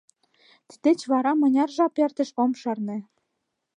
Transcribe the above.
Тиддеч вара мыняр жап эртыш, ом шарне.